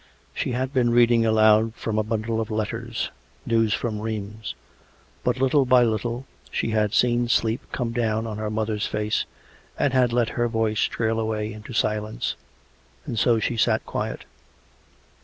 She had been reading aloud from a bundle of letters — news from Rheims; but little by little she had seen sleep come down on her mother's face, and had let her voice trail away into silence. And so she sat quiet.